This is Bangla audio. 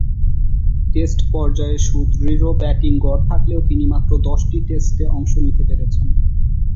টেস্ট পর্যায়ে সুদৃঢ় ব্যাটিং গড় থাকলেও তিনি মাত্র দশটি টেস্টে অংশ নিতে পেরেছেন।